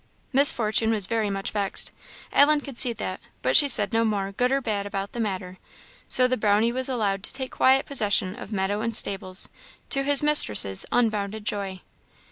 Miss Fortune was very much vexed, Ellen could see that; but she said no more, good or bad, about the matter; so the Brownie was allowed to take quiet possession of meadow and stables, to his mistress's unbounded joy.